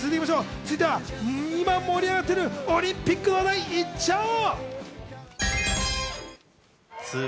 続いては、今盛り上がってるオリンピックの話題に行っちゃおう！